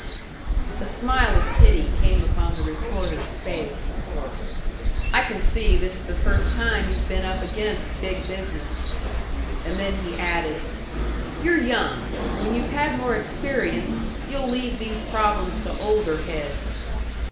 A smile of pity came upon the reporter's face. "I can see this is the first time you've been up against 'big business.'" And then he added, "You're young! When you've had more experience, you'll leave these problems to older heads!"